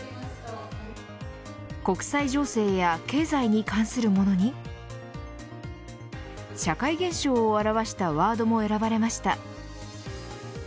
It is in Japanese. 国際情勢や経済に関するものに社会現象を表したワードも選ばれました。